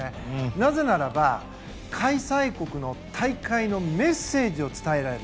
なぜならば開催国の大会のメッセージを伝えられる。